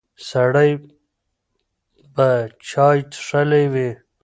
سړی به چای څښلی وي.